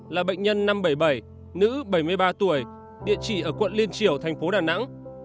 là bệnh nhân năm trăm bảy mươi bảy nữ bảy mươi ba tuổi địa chỉ ở quận liên triều thành phố đà nẵng